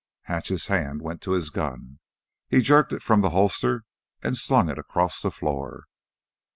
Hatch's hand went to his gun. He jerked it from the holster and slung it across the floor.